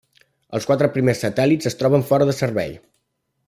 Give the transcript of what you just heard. Els quatre primers satèl·lits es troben fora de servei.